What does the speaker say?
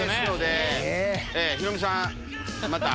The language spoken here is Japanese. ヒロミさんまた。